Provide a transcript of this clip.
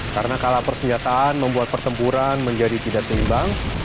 karena kalah persenjataan membuat pertempuran menjadi tidak seimbang